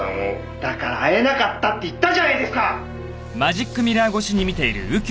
「だから会えなかったって言ったじゃないですか！」